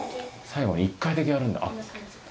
最後の１回だけやるんだ。